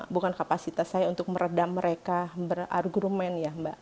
bukan kapasitas saya untuk meredam mereka berargumen ya mbak